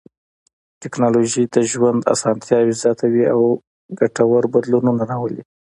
ټکنالوژي د ژوند اسانتیاوې زیاتوي او ګټور بدلونونه راولي.